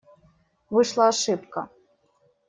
Вышла ошибка.